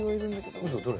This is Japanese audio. どれ？